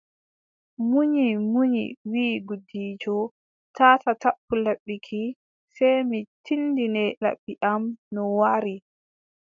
Munyi, munyi, wiʼi gudiijo : taataa tappu laɓi ki, sey mi tindine laɓi am no waari.